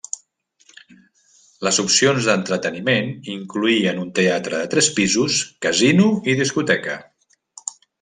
Les opcions d'entreteniment incloïen un teatre de tres pisos, casino i discoteca.